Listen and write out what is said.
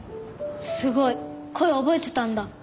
すごい！声覚えてたんだ。